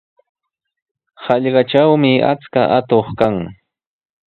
Hallqatrawmi achka atuq kan.